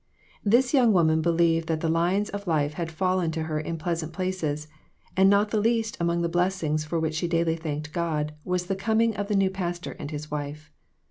This young woman believed that the , lines of life had fallen to her in pleasant places, and not the least among the blessings for which she daily thanked God, was the coming of the new pastor and his wife.